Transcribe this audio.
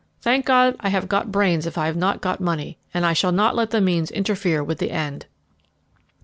Thank God, I have got brains if I have not money, and I shall not let the means interfere with the end."